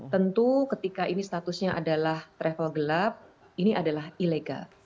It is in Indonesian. tentu ketika ini statusnya adalah travel gelap ini adalah ilegal